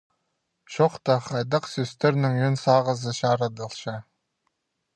Чоохта хайдағ сӧстернең ӧӧн сағызы чарыдылча?